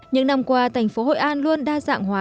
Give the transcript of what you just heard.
những năm qua thành phố hội an luôn đa dạng hóa